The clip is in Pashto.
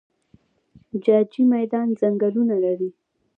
جاجي میدان ځنګلونه لري؟